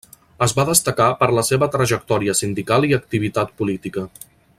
Es va destacar per la seva trajectòria sindical i activitat política.